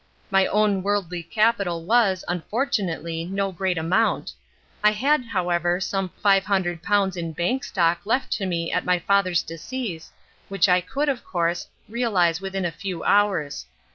My own worldly capital was, unfortunately, no great amount. I had, however, some £500 in bank stock left to me at my father's decease, which I could, of course, realise within a few hours.